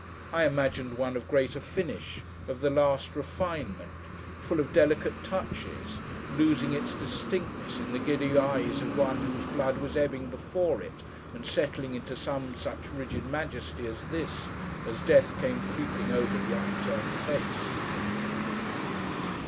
I imagined one of greater finish: of the last refinement: full of delicate touches: losing its distinctness, in the giddy eyes of one whose blood was ebbing before it, and settling into some such rigid majesty as this, as Death came creeping over the upturned face.